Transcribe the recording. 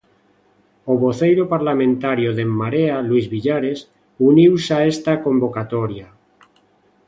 O voceiro parlamentario de En Marea, Luís Villares, uniuse a esta convocatoria.